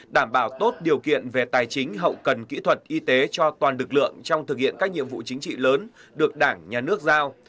đảm bảo tốt điều kiện về tài chính hậu cần kỹ thuật y tế cho toàn lực lượng trong thực hiện các nhiệm vụ chính trị lớn được đảng nhà nước giao